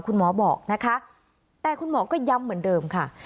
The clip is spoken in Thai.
คุณหมอบอกนะคะแต่คุณหมอก็ย้ำเหมือนเดิมค่ะ